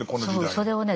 それをね